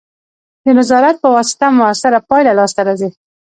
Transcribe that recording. د نظارت په واسطه مؤثره پایله لاسته راځي.